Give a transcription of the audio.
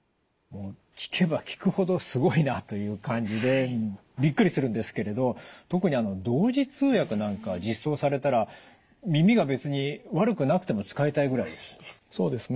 聞けば聞くほどすごいなという感じでびっくりするんですけれど特に同時通訳なんか実装されたら耳が別に悪くなくても使いたいぐらいです。